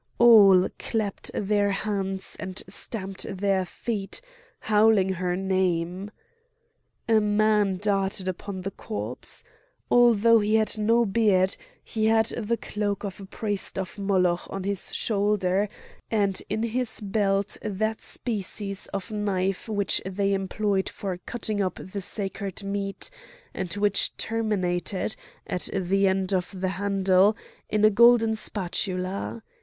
All clapped their hands and stamped their feet, howling her name. A man darted upon the corpse. Although he had no beard he had the cloak of a priest of Moloch on his shoulder, and in his belt that species of knife which they employed for cutting up the sacred meat, and which terminated, at the end of the handle, in a golden spatula.